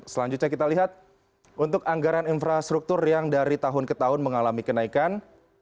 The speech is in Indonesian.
selanjutnya kita lihat untuk anggaran infrastruktur yang dari tahun ke tahun mengalami kenaikan